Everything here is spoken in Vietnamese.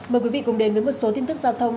mời quý vị cùng đến với một số tin tức giao thông